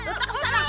lutak ke sana